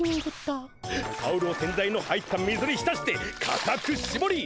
タオルを洗剤の入った水にひたしてかたくしぼり